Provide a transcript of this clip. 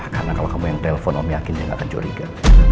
karena kalo kamu yang telpon om yakin dia gak kejoriga